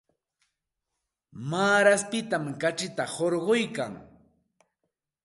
Maaraspitam kachita hurquyan.